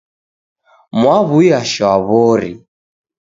Mwaw'uya shwaw'ori.